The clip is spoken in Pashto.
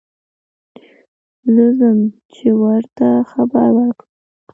زه ځم چې ور ته خبر ور کړم.